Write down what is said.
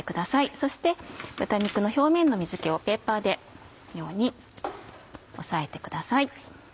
そして豚肉の表面の水気をペーパーでこのように押さえてください。